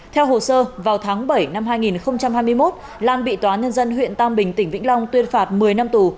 theo hồ sơ vào tháng bảy năm hai nghìn hai mươi một lan bị tòa nhân dân huyện tam bình tỉnh vĩnh long tuyên phạt một mươi năm tù